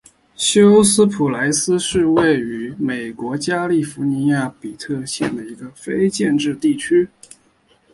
休斯普莱斯是位于美国加利福尼亚州比尤特县的一个非建制地区。